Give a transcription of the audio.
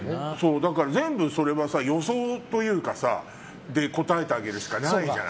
だから全部それは予想というか答えてあげるしかないじゃない。